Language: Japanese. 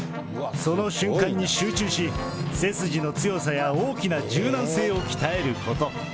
その瞬間に集中し、背筋の強さや、大きな柔軟性を鍛えること。